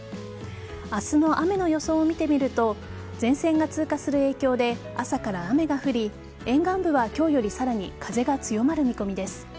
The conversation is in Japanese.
明日の雨の予想を見てみると前線が通過する影響で朝から雨が降り沿岸部は今日よりさらに風が強まる見込みです。